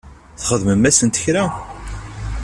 Txedmem-asent kra?